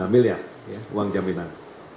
lima miliar uang jaminan